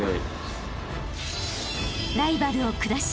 ［ライバルを下し］